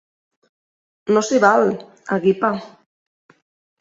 No s'hi val, a guipar!